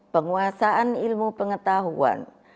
penguasaan ilmu pengetahuan